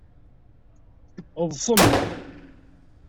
Ḍsem!